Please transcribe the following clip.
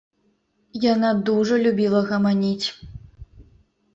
Яна дужа любіла гаманіць.